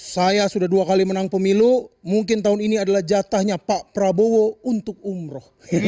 saya sudah dua kali menang pemilu mungkin tahun ini adalah jatahnya pak prabowo untuk umroh